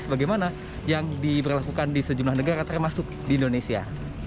sebagaimana yang diberlakukan di sejumlah negara termasuk di indonesia